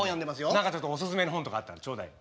何かちょっとお薦めの本とかあったらちょうだいよ。